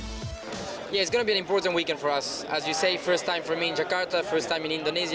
ini adalah perhubungan terbaik bagi saya di jakarta pertama kali di indonesia